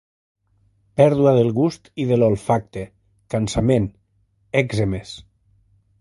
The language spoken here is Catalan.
Pèrdua del gust i de l’olfacte, cansament, èczemes.